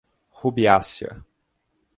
Rubiácea